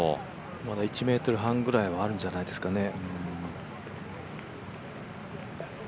まだ１ｍ半ぐらいはあるんじゃないですかね。